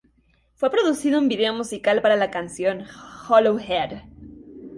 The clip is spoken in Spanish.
Fue producido un video musical para la canción "Hollow Head".